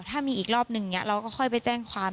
ถ้ามีอีกรอบนึงอย่างนี้เราก็ค่อยไปแจ้งความ